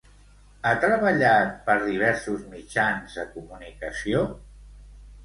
Ha treballat per diversos mitjans de comunicació?